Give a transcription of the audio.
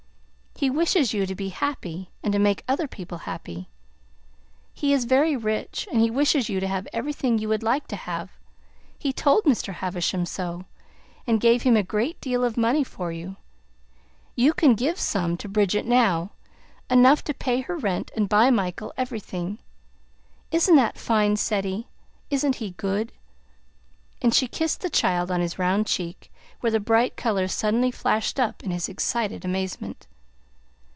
He wishes you to be happy and to make other people happy. He is very rich, and he wishes you to have everything you would like to have. He told Mr. Havisham so, and gave him a great deal of money for you. You can give some to Bridget now; enough to pay her rent and buy Michael everything. Isn't that fine, Ceddie? Isn't he good?" And she kissed the child on his round cheek, where the bright color suddenly flashed up in his excited amazement.